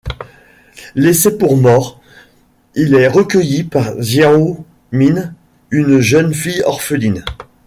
Laissé pour mort, il est recueilli par Xiao Min, une jeune fille orpheline...